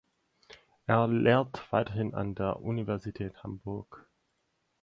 Er lehrt weiterhin an der Universität Hamburg.